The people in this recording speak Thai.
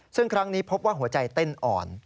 ซึ่งครั้งนี้พบว่าหัวใจเต้นอ่อน